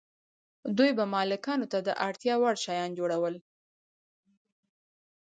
دوی به مالکانو ته د اړتیا وړ شیان جوړول.